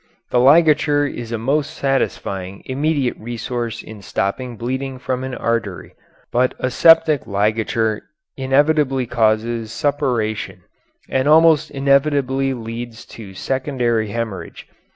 The ligature is a most satisfying immediate resource in stopping bleeding from an artery, but a septic ligature inevitably causes suppuration and almost inevitably leads to secondary hemorrhage.